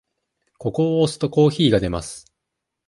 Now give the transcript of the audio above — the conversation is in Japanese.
ここを押すと、コーヒーが出ます。